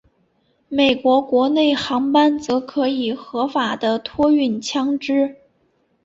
美国国内航班则可以合法的托运枪支。